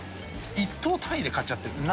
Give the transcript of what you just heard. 一頭単位で買っちゃってる。